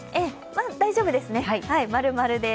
大丈夫ですね、○○で。